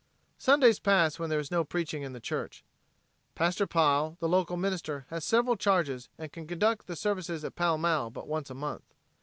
Sundays pass when there is no preaching in the church. Pastor Pile, the local minister, has several charges and can conduct the services at Pall Mall but once a month.